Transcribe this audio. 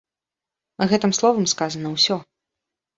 Гэтым словам сказана ўсё.